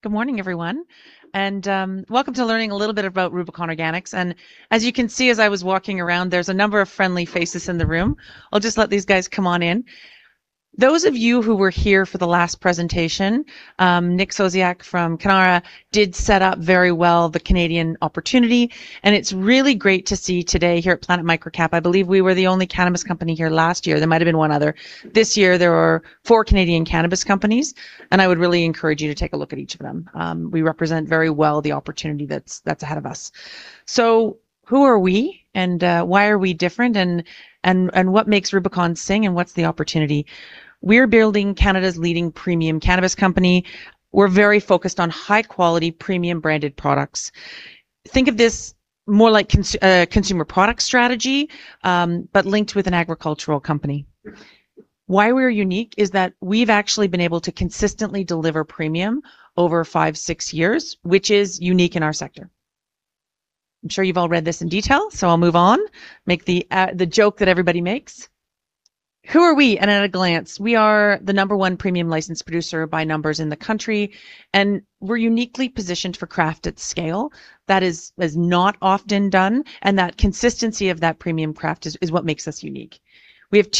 Good morning, everyone, welcome to learning a little bit about Rubicon Organics. As you can see as I was walking around, there's a number of friendly faces in the room. I'll just let these guys come on in. Those of you who were here for the last presentation, Nick Sosiak from Cannara did set up very well the Canadian opportunity, it's really great to see today here at Planet MicroCap. I believe we were the only cannabis company here last year. There might've been one other. This year, there are four Canadian cannabis companies, I would really encourage you to take a look at each of them. We represent very well the opportunity that's ahead of us. Who are we, why are we different, what makes Rubicon sing, what's the opportunity? We're building Canada's leading premium cannabis company. We're very focused on high-quality, premium branded products. Think of this more like a consumer product strategy, linked with an agricultural company. Why we're unique is that we've actually been able to consistently deliver premium over five, six years, which is unique in our sector. I'm sure you've all read this in detail, I'll move on, make the joke that everybody makes. Who are we, at a glance? We are the number one premium licensed producer by numbers in the country, we're uniquely positioned for craft at scale. That is not often done, that consistency of that premium craft is what makes us unique. We have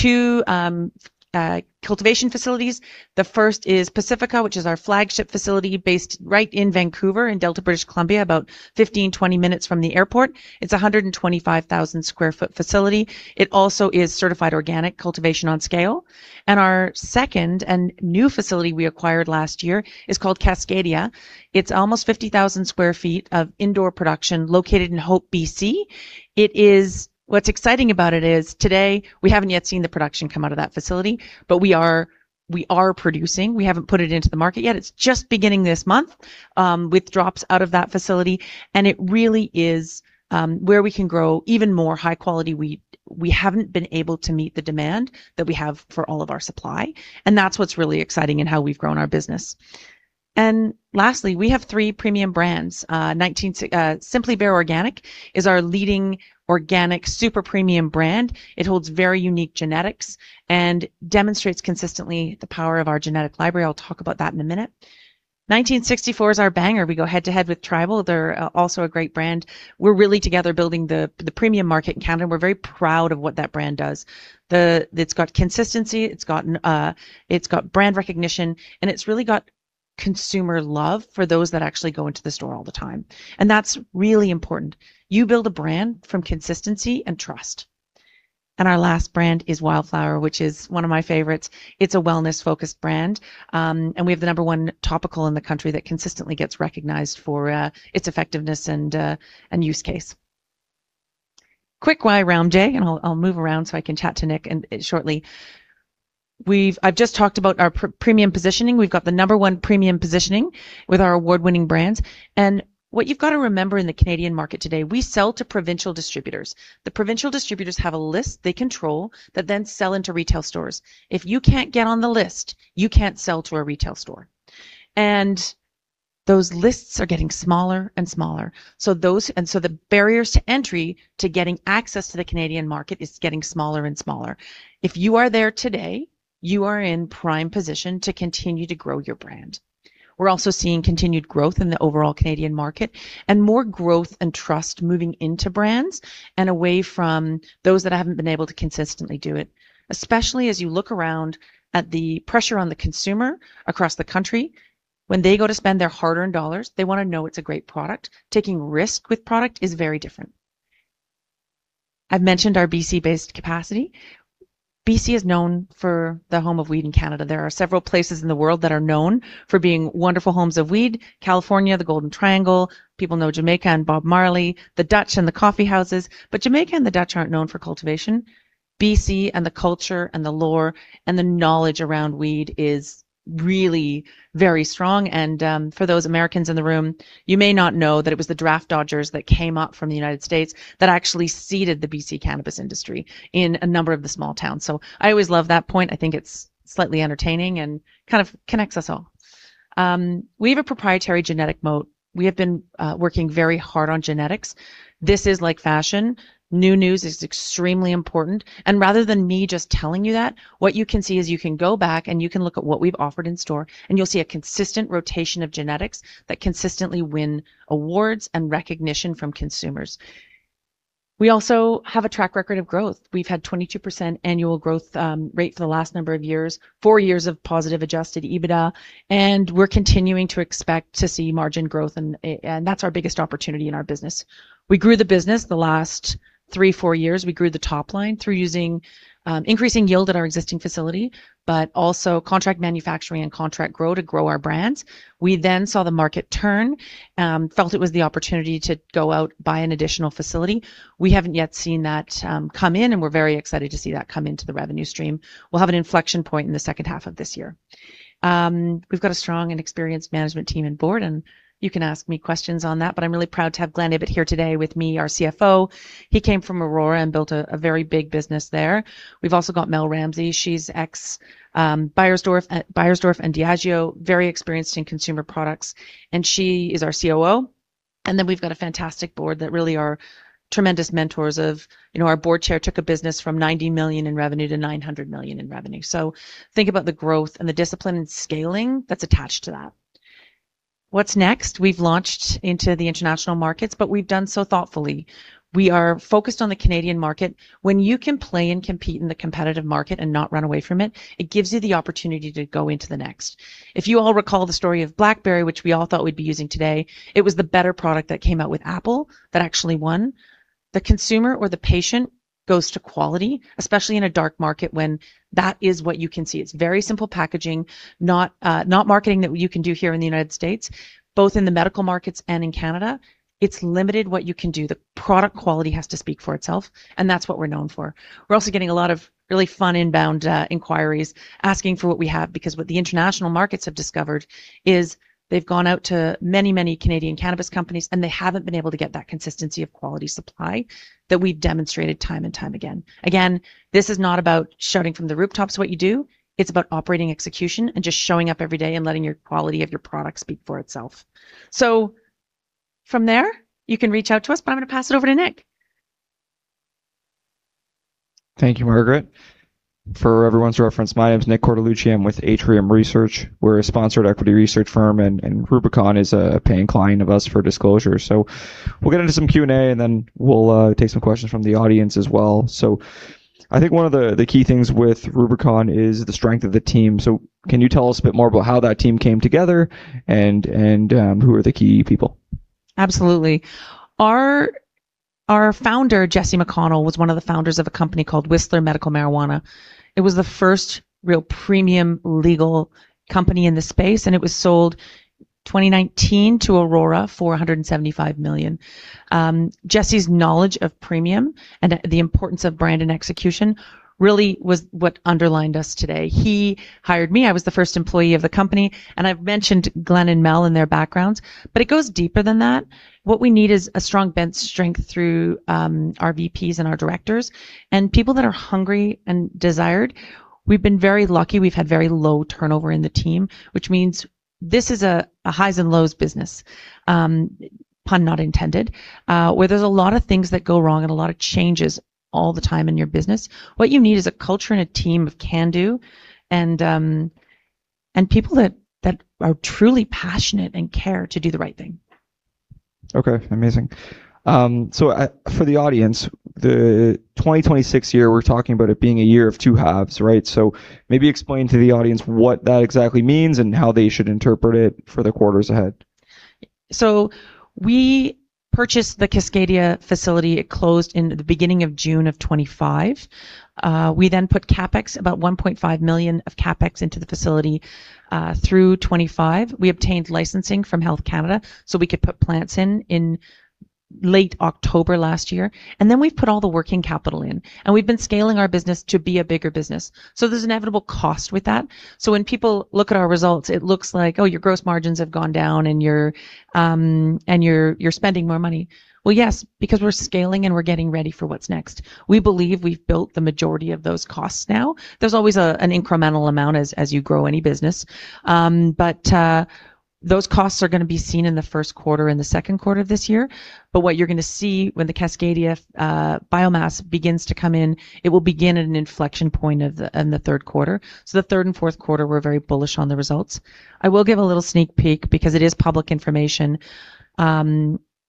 two cultivation facilities. The first is Pacifica, which is our flagship facility based right in Vancouver in Delta, British Columbia, about 15, 20 minutes from the airport. It's 125,000 sq ft facility. It also is certified organic cultivation on scale. Our second and new facility we acquired last year is called Cascadia. It's almost 50,000 sq ft of indoor production located in Hope, B.C. What's exciting about it is today, we haven't yet seen the production come out of that facility, we are producing. We haven't put it into the market yet. It's just beginning this month with drops out of that facility, it really is where we can grow even more high-quality weed. We haven't been able to meet the demand that we have for all of our supply, that's what's really exciting in how we've grown our business. Lastly, we have three premium brands. Simply Bare Organic is our leading organic super premium brand. It holds very unique genetics and demonstrates consistently the power of our genetic library. I'll talk about that in a minute. 1964 is our banger. We go head-to-head with Tribal. They're also a great brand. We're really together building the premium market in Canada, we're very proud of what that brand does. It's got consistency, it's got brand recognition, it's really got consumer love for those that actually go into the store all the time, that's really important. You build a brand from consistency and trust. Our last brand is Wildflower, which is one of my favorites. It's a wellness-focused brand, we have the number one topical in the country that consistently gets recognized for its effectiveness and use case. Quick why round J, I'll move around so I can chat to Nick shortly. I've just talked about our premium positioning. We've got the number one premium positioning with our award-winning brands. What you've got to remember in the Canadian market today, we sell to provincial distributors. The provincial distributors have a list they control that then sell into retail stores. If you can't get on the list, you can't sell to a retail store. Those lists are getting smaller and smaller, the barriers to entry to getting access to the Canadian market is getting smaller and smaller. If you are there today, you are in prime position to continue to grow your brand. We're also seeing continued growth in the overall Canadian market and more growth and trust moving into brands and away from those that haven't been able to consistently do it. Especially as you look around at the pressure on the consumer across the country, when they go to spend their hard-earned dollars, they want to know it's a great product. Taking risk with product is very different. I've mentioned our BC-based capacity. BC is known for the home of weed in Canada. There are several places in the world that are known for being wonderful homes of weed, California, the Emerald Triangle. People know Jamaica and Bob Marley, the Dutch and the coffee houses, but Jamaica and the Dutch aren't known for cultivation. BC and the culture and the lore and the knowledge around weed is really very strong. For those Americans in the room, you may not know that it was the draft dodgers that came up from the United States that actually seeded the BC cannabis industry in a number of the small towns. I always love that point. I think it's slightly entertaining and kind of connects us all. We have a proprietary genetic moat. We have been working very hard on genetics. This is like fashion. New news is extremely important. Rather than me just telling you that, what you can see is you can go back and you can look at what we've offered in store, and you'll see a consistent rotation of genetics that consistently win awards and recognition from consumers. We also have a track record of growth. We've had 22% annual growth rate for the last number of years, four years of positive adjusted EBITDA. We're continuing to expect to see margin growth, that's our biggest opportunity in our business. We grew the business the last three, four years. We grew the top line through increasing yield at our existing facility, but also contract manufacturing and contract grow to grow our brands. We then saw the market turn, felt it was the opportunity to go out, buy an additional facility. We haven't yet seen that come in, we're very excited to see that come into the revenue stream. We'll have an inflection point in the second half of this year. We've got a strong and experienced management team and board, and you can ask me questions on that, but I'm really proud to have Glen Ibbott here today with me, our CFO. He came from Aurora and built a very big business there. We've also got Melanie Ramsey. She's ex Beiersdorf and Diageo, very experienced in consumer products. She is our COO. We've got a fantastic board that really are tremendous mentors of Our board chair took a business from 90 million in revenue to 900 million in revenue. Think about the growth and the discipline in scaling that's attached to that. What's next? We've launched into the international markets, we've done so thoughtfully. We are focused on the Canadian market. When you can play and compete in the competitive market and not run away from it gives you the opportunity to go into the next. If you all recall the story of BlackBerry, which we all thought we'd be using today, it was the better product that came out with Apple that actually won. The consumer or the patient goes to quality, especially in a dark market when that is what you can see. It's very simple packaging, not marketing that you can do here in the United States. Both in the medical markets and in Canada, it's limited what you can do. The product quality has to speak for itself, and that's what we're known for. We're also getting a lot of really fun inbound inquiries asking for what we have, because what the international markets have discovered is they've gone out to many Canadian cannabis companies, and they haven't been able to get that consistency of quality supply that we've demonstrated time and time again. Again, this is not about shouting from the rooftops what you do. It's about operating execution and just showing up every day and letting your quality of your product speak for itself. From there, you can reach out to us, but I'm going to pass it over to Nick. Thank you, Margaret. For everyone's reference, my name's Nick Cortellucci. I'm with Atrium Research. We're a sponsored equity research firm, and Rubicon is a paying client of us for disclosure. We'll get into some Q&A, and then we'll take some questions from the audience as well. I think one of the key things with Rubicon is the strength of the team. Can you tell us a bit more about how that team came together and who are the key people? Absolutely. Our founder, Jesse McConnell, was one of the founders of a company called Whistler Medical Marijuana. It was the first real premium legal company in the space, and it was sold in 2019 to Aurora for 175 million. Jesse's knowledge of premium and the importance of brand and execution really was what underlined us today. He hired me. I was the first employee of the company, and I've mentioned Glenn and Mel and their backgrounds, but it goes deeper than that. What we need is a strong bench strength through our VPs and our directors and people that are hungry and desired. We've been very lucky. We've had very low turnover in the team, which means this is a highs and lows business, pun not intended, where there's a lot of things that go wrong and a lot of changes all the time in your business. What you need is a culture and a team of can-do and people that are truly passionate and care to do the right thing. Okay. Amazing. For the audience, the 2026 year, we're talking about it being a year of two halves, right? Maybe explain to the audience what that exactly means and how they should interpret it for the quarters ahead. We purchased the Cascadia facility. It closed in the beginning of June of 2025. We put CapEx, about 1.5 million of CapEx, into the facility through 2025. We obtained licensing from Health Canada, we could put plants in in late October last year. We've put all the working capital in, and we've been scaling our business to be a bigger business. There's an inevitable cost with that. When people look at our results, it looks like, oh, your gross margins have gone down, and you're spending more money. Well, yes, because we're scaling, and we're getting ready for what's next. We believe we've built the majority of those costs now. There's always an incremental amount as you grow any business. Those costs are going to be seen in the first quarter and the second quarter of this year. What you're going to see when the Cascadia biomass begins to come in, it will begin at an inflection point in the third quarter. The third and fourth quarter, we're very bullish on the results. I will give a little sneak peek because it is public information.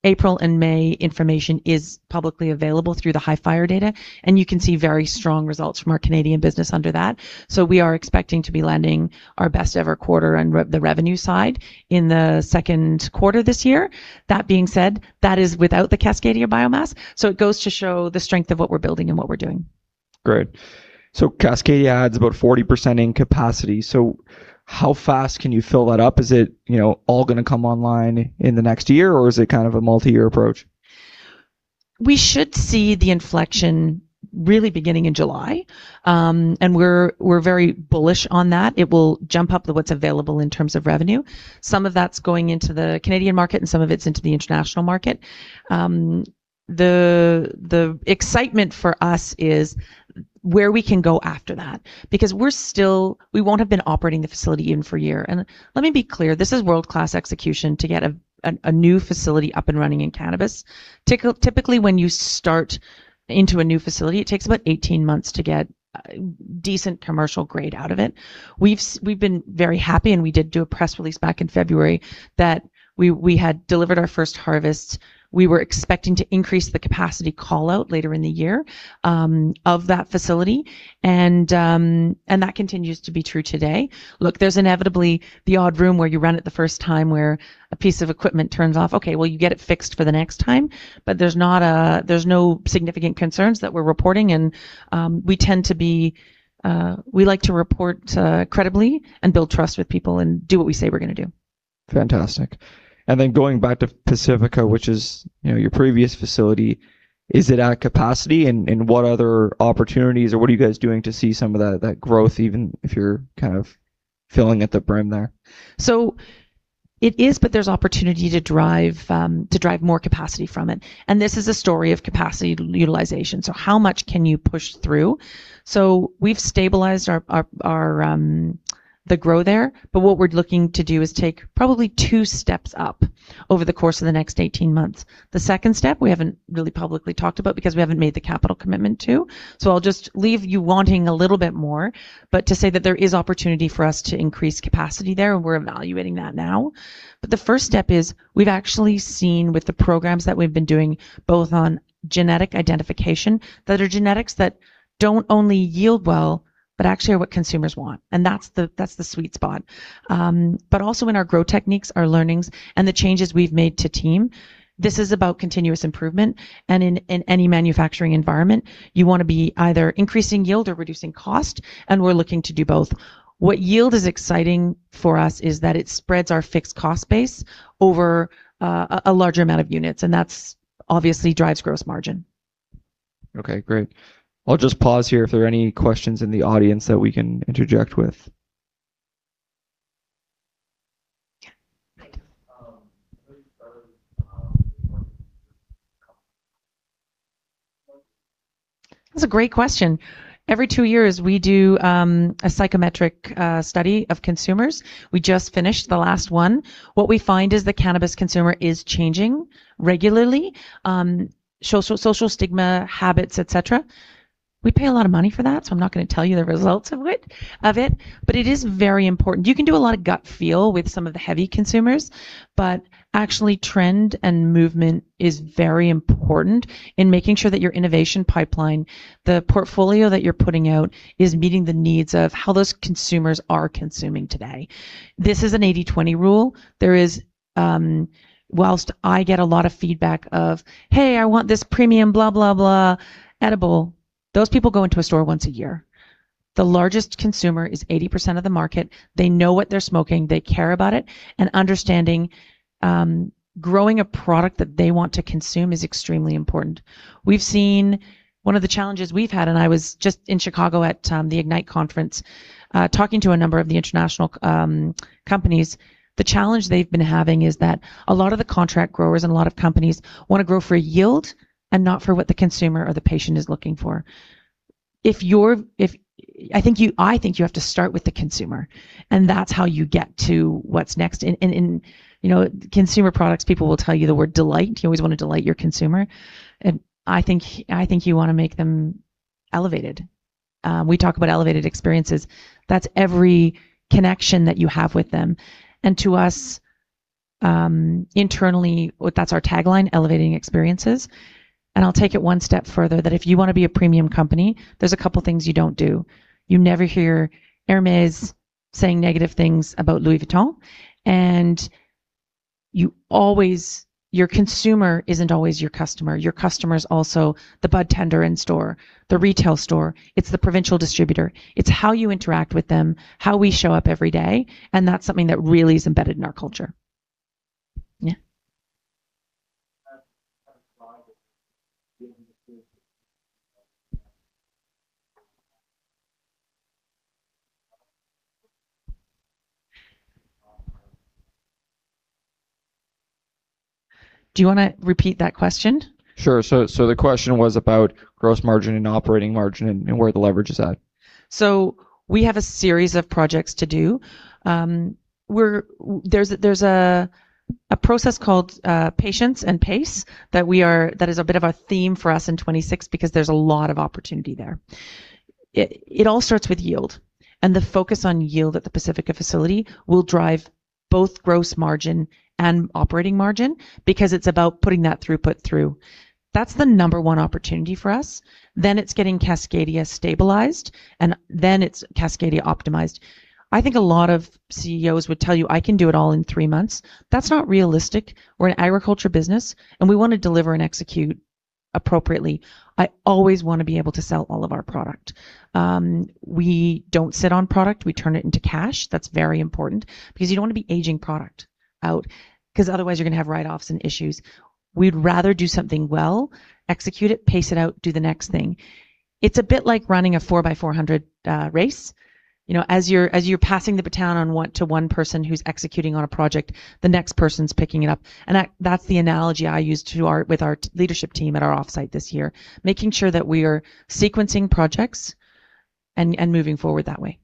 April and May information is publicly available through the Hifyre data, and you can see very strong results from our Canadian business under that. We are expecting to be landing our best ever quarter on the revenue side in the second quarter this year. That being said, that is without the Cascadia biomass. It goes to show the strength of what we're building and what we're doing. Great. Cascadia adds about 40% in capacity. How fast can you fill that up? Is it all going to come online in the next year, or is it kind of a multi-year approach? We should see the inflection really beginning in July, we're very bullish on that. It will jump up what's available in terms of revenue. Some of that's going into the Canadian market, and some of it's into the international market. The excitement for us is where we can go after that because we won't have been operating the facility even for a year. Let me be clear, this is world-class execution to get a new facility up and running in cannabis. Typically, when you start into a new facility, it takes about 18 months to get decent commercial grade out of it. We've been very happy, we did do a press release back in February that we had delivered our first harvests. We were expecting to increase the capacity call-out later in the year of that facility, that continues to be true today. Look, there's inevitably the odd room where you run it the first time where a piece of equipment turns off. Okay, well, you get it fixed for the next time. There's no significant concerns that we're reporting, we like to report credibly and build trust with people and do what we say we're going to do. Fantastic. Then going back to Pacifica, which is your previous facility, is it at capacity? What other opportunities, or what are you guys doing to see some of that growth, even if you're kind of filling at the brim there? It is, but there's opportunity to drive more capacity from it. This is a story of capacity utilization. How much can you push through? We've stabilized the grow there, but what we're looking to do is take probably two steps up over the course of the next 18 months. The second step we haven't really publicly talked about because we haven't made the capital commitment to, so I'll just leave you wanting a little bit more. To say that there is opportunity for us to increase capacity there, and we're evaluating that now. The first step is we've actually seen with the programs that we've been doing, both on genetic identification, that are genetics that don't only yield well, but actually are what consumers want, and that's the sweet spot. Also in our grow techniques, our learnings, and the changes we've made to team, this is about continuous improvement. In any manufacturing environment, you want to be either increasing yield or reducing cost, and we're looking to do both. What yield is exciting for us is that it spreads our fixed cost base over a larger amount of units, and that obviously drives gross margin. Okay, great. I'll just pause here if there are any questions in the audience that we can interject with. Yeah. Thank you. That's a great question. Every two years, we do a psychometric study of consumers. We just finished the last one. What we find is the cannabis consumer is changing regularly, social stigma, habits, etc. We pay a lot of money for that, so I'm not going to tell you the results of it, but it is very important. You can do a lot of gut feel with some of the heavy consumers, but actually trend and movement is very important in making sure that your innovation pipeline, the portfolio that you're putting out, is meeting the needs of how those consumers are consuming today. This is an 80/20 rule. Whilst I get a lot of feedback of, hey, I want this premium blah, blah edible, those people go into a store once a year. The largest consumer is 80% of the market. They know what they're smoking, they care about it, and understanding growing a product that they want to consume is extremely important. One of the challenges we've had, and I was just in Chicago at the Ignite conference, talking to a number of the international companies, the challenge they've been having is that a lot of the contract growers and a lot of companies want to grow for yield and not for what the consumer or the patient is looking for. I think you have to start with the consumer, and that's how you get to what's next. In consumer products, people will tell you the word delight. You always want to delight your consumer, and I think you want to make them elevated. We talk about elevated experiences. That's every connection that you have with them. To us, internally, that's our tagline, elevating experiences. I'll take it one step further, that if you want to be a premium company, there's a couple things you don't do. You never hear Hermès saying negative things about Louis Vuitton, and your consumer isn't always your customer. Your customer is also the budtender in store, the retail store. It's the provincial distributor. It's how you interact with them, how we show up every day, and that's something that really is embedded in our culture. Do you want to repeat that question? Sure. The question was about gross margin and operating margin and where the leverage is at. We have a series of projects to do. There's a process called patience and pace that is a bit of a theme for us in 2026 because there's a lot of opportunity there. It all starts with yield, and the focus on yield at the Pacifica facility will drive both gross margin and operating margin because it's about putting that throughput through. That's the number one opportunity for us. It's getting Cascadia stabilized, and then it's Cascadia optimized. I think a lot of CEOs would tell you, I can do it all in three months. That's not realistic. We're an agriculture business, and we want to deliver and execute appropriately. I always want to be able to sell all of our product. We don't sit on product. We turn it into cash. That's very important because you don't want to be aging product out, because otherwise you're going to have write-offs and issues. We'd rather do something well, execute it, pace it out, do the next thing. It's a bit like running a 4 by 400 race. As you're passing the baton to one person who's executing on a project, the next person's picking it up. That's the analogy I used with our leadership team at our offsite this year, making sure that we are sequencing projects and moving forward that way.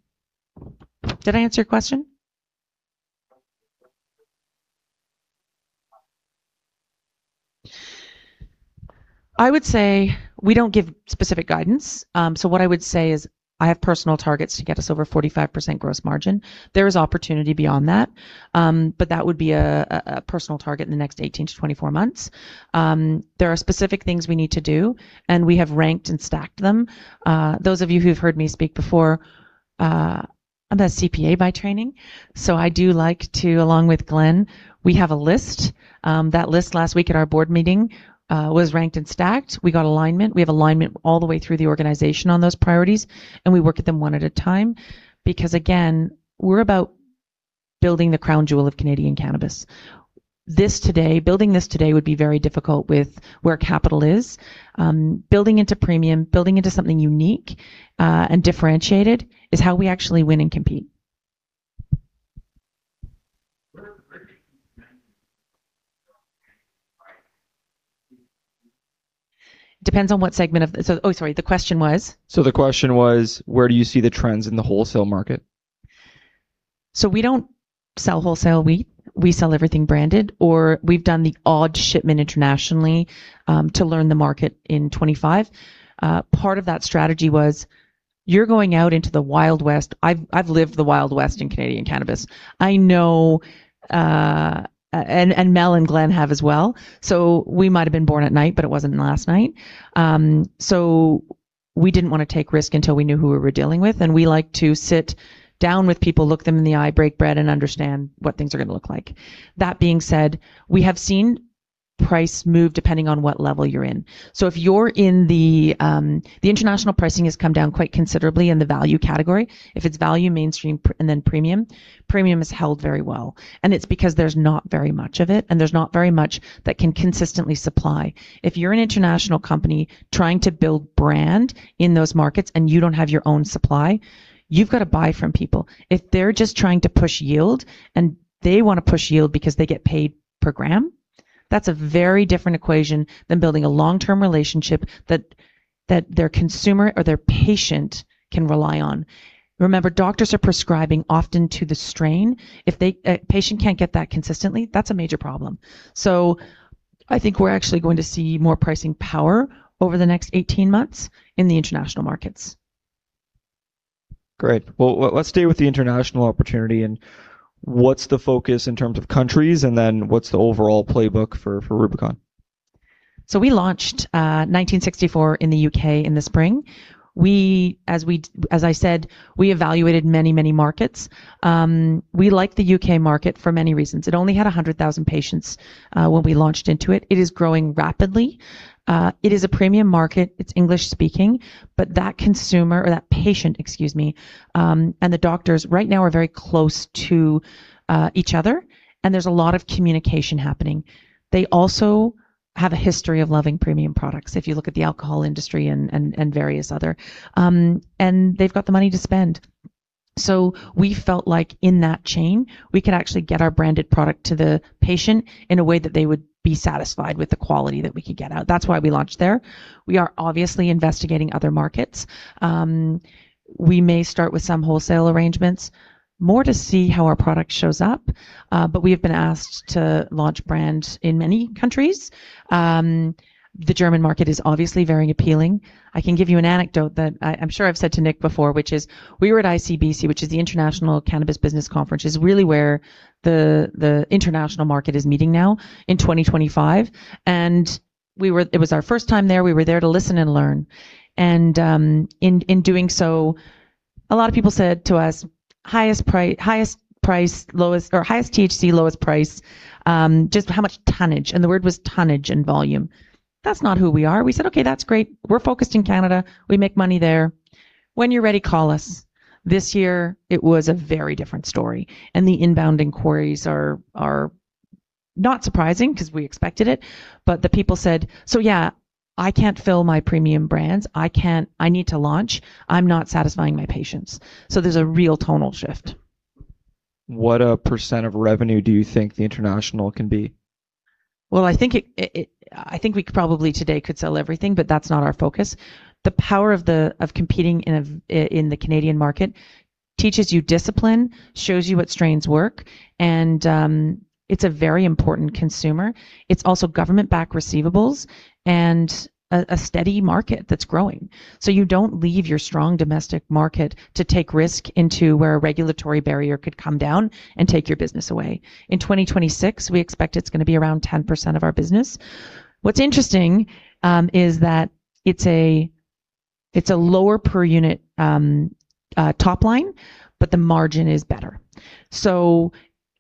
Did I answer your question? I would say we don't give specific guidance. What I would say is I have personal targets to get us over 45% gross margin. There is opportunity beyond that. That would be a personal target in the next 18-24 months. There are specific things we need to do, we have ranked and stacked them. Those of you who've heard me speak before, I'm a CPA by training, I do like to, along with Glen, we have a list. That list last week at our board meeting was ranked and stacked. We got alignment. We have alignment all the way through the organization on those priorities, we work at them one at a time because, again, we're about building the crown jewel of Canadian cannabis. This today, building this today would be very difficult with where capital is. Building into premium, building into something unique, and differentiated is how we actually win and compete. Depends on what segment of the Oh, sorry, the question was? The question was, where do you see the trends in the wholesale market? We don't sell wholesale. We sell everything branded, or we've done the odd shipment internationally to learn the market in 2025. Part of that strategy was you're going out into the Wild West. I've lived the Wild West in Canadian cannabis. I know, Mel and Glen have as well, we might've been born at night, but it wasn't last night. We didn't want to take risk until we knew who we were dealing with, we like to sit down with people, look them in the eye, break bread, and understand what things are going to look like. That being said, we have seen price move depending on what level you're in. The international pricing has come down quite considerably in the value category. If it's value, mainstream, and then premium is held very well, and it's because there's not very much of it, and there's not very much that can consistently supply. If you're an international company trying to build brand in those markets and you don't have your own supply, you've got to buy from people. If they're just trying to push yield, and they want to push yield because they get paid per gram. That's a very different equation than building a long-term relationship that their consumer or their patient can rely on. Remember, doctors are prescribing often to the strain. If a patient can't get that consistently, that's a major problem. I think we're actually going to see more pricing power over the next 18 months in the international markets. Great. Well, let's stay with the international opportunity and what's the focus in terms of countries, and then what's the overall playbook for Rubicon? We launched 1964 in the U.K. in the spring. As I said, we evaluated many, many markets. We like the U.K. market for many reasons. It only had 100,000 patients when we launched into it. It is growing rapidly. It is a premium market. It's English-speaking. That consumer, or that patient, excuse me, and the doctors right now are very close to each other, and there's a lot of communication happening. They also have a history of loving premium products, if you look at the alcohol industry and various other. They've got the money to spend. We felt like in that chain, we could actually get our branded product to the patient in a way that they would be satisfied with the quality that we could get out. That's why we launched there. We are obviously investigating other markets. We may start with some wholesale arrangements, more to see how our product shows up. We have been asked to launch brand in many countries. The German market is obviously very appealing. I can give you an anecdote that I'm sure I've said to Nick before, which is we were at ICBC, which is the International Cannabis Business Conference. It's really where the international market is meeting now in 2025. It was our first time there. We were there to listen and learn. In doing so, a lot of people said to us, highest THC, lowest price. Just how much tonnage. The word was tonnage and volume. That's not who we are. We said, Okay, that's great. We're focused in Canada. We make money there. When you're ready, call us. This year it was a very different story, and the inbound inquiries are not surprising because we expected it, but the people said, so yeah, I can't fill my premium brands. I need to launch. I'm not satisfying my patients. There's a real tonal shift. What a percent of revenue do you think the international can be? I think we could probably today could sell everything, but that's not our focus. The power of competing in the Canadian market teaches you discipline, shows you what strains work, and it's a very important consumer. It's also government-backed receivables and a steady market that's growing. You don't leave your strong domestic market to take risk into where a regulatory barrier could come down and take your business away. In 2026, we expect it's going to be around 10% of our business. What's interesting is that it's a lower per unit top line, but the margin is better.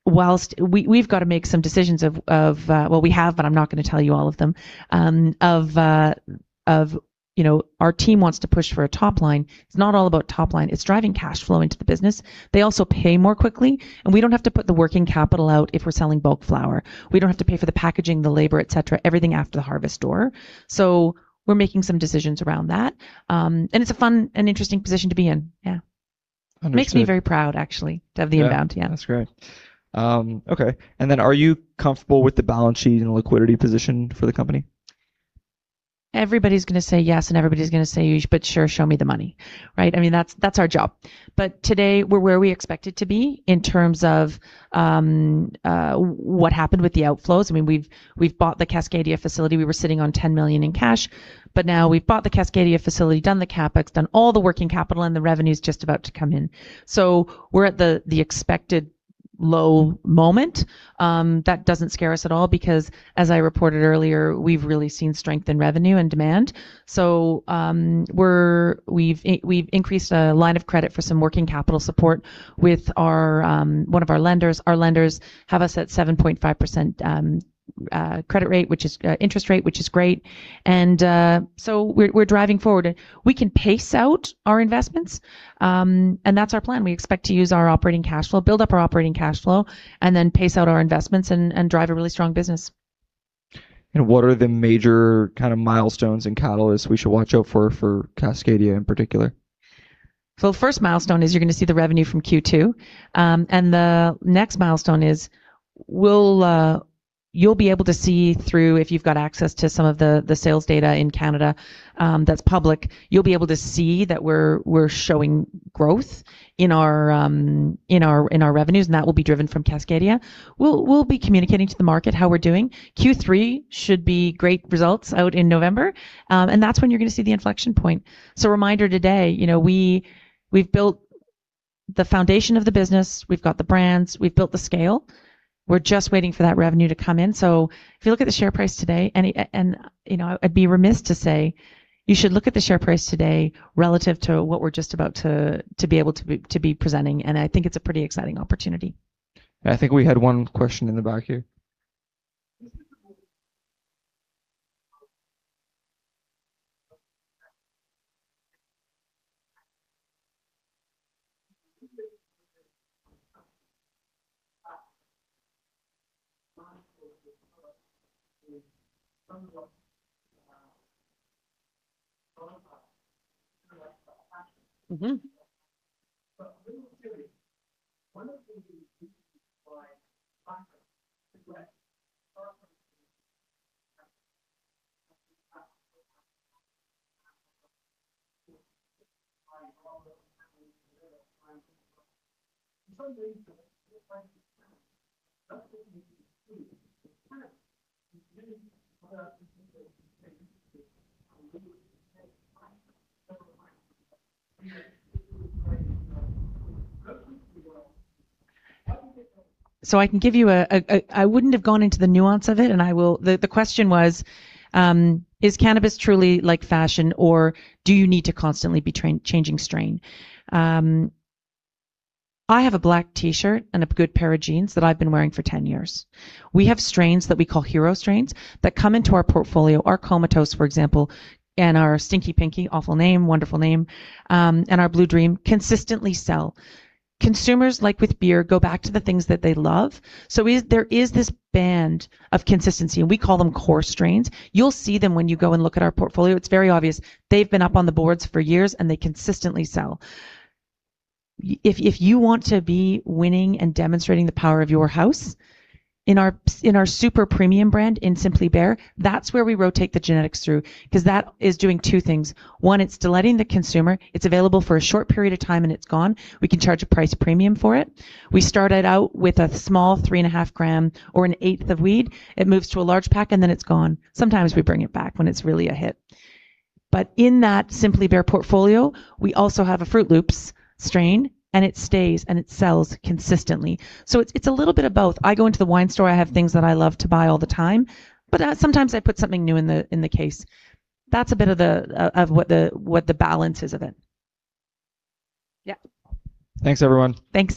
We've got to make some decisions of, well, we have, but I'm not going to tell you all of them, of our team wants to push for a top line. It's not all about top line. It's driving cash flow into the business. They also pay more quickly, and we don't have to put the working capital out if we're selling bulk flower. We don't have to pay for the packaging, the labor, etc., everything after the harvest door. We're making some decisions around that. It's a fun and interesting position to be in. Understood. Makes me very proud, actually, to have the inbound. Yeah. That's great. Okay. Are you comfortable with the balance sheet and liquidity position for the company? Everybody's going to say yes, and everybody's going to say, but sure, show me the money, right? That's our job. Today, we're where we expected to be in terms of what happened with the outflows. We've bought the Cascadia facility. We were sitting on 10 million in cash, but now we've bought the Cascadia facility, done the CapEx, done all the working capital, and the revenue's just about to come in. We're at the expected low moment. That doesn't scare us at all because, as I reported earlier, we've really seen strength in revenue and demand. We've increased a line of credit for some working capital support with one of our lenders. Our lenders have us at 7.5% A credit rate, which is interest rate, which is great. We're driving forward. We can pace out our investments, and that's our plan. We expect to use our operating cash flow, build up our operating cash flow, and then pace out our investments and drive a really strong business. What are the major kind of milestones and catalysts we should watch out for Cascadia in particular? The first milestone is you're going to see the revenue from Q2. The next milestone is you'll be able to see through, if you've got access to some of the sales data in Canada that's public, you'll be able to see that we're showing growth in our revenues, and that will be driven from Cascadia. We'll be communicating to the market how we're doing. Q3 should be great results out in November. That's when you're going to see the inflection point. Reminder today, we've built the foundation of the business. We've got the brands. We've built the scale. We're just waiting for that revenue to come in. If you look at the share price today, and I'd be remiss to say, you should look at the share price today relative to what we're just about to be able to be presenting, and I think it's a pretty exciting opportunity. I think we had one question in the back here. I wouldn't have gone into the nuance of it, and I will. The question was, is cannabis truly like fashion, or do you need to constantly be changing strain? I have a black T-shirt and a good pair of jeans that I've been wearing for 10 years. We have strains that we call hero strains that come into our portfolio. Our Comatose, for example, and our Stinky Pinky, awful name, wonderful name, and our Blue Dream consistently sell. Consumers, like with beer, go back to the things that they love. There is this band of consistency, and we call them core strains. You'll see them when you go and look at our portfolio. It's very obvious. They've been up on the boards for years, and they consistently sell. If you want to be winning and demonstrating the power of your house, in our super premium brand, in Simply Bare, that's where we rotate the genetics through because that is doing two things. One, it's delighting the consumer. It's available for a short period of time, and it's gone. We can charge a price premium for it. We started out with a small three and a half gram or an eighth of weed. It moves to a large pack, and then it's gone. Sometimes we bring it back when it's really a hit. In that Simply Bare portfolio, we also have a Fruit Loopz strain, and it stays, and it sells consistently. It's a little bit of both. I go into the wine store, I have things that I love to buy all the time. Sometimes I put something new in the case. That's a bit of what the balance is of it. Thanks, everyone. Thanks.